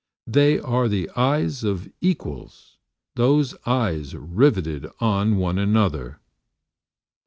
... They are the eyes of equals, those eyes riveted on one another.